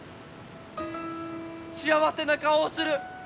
幸せな顔をする。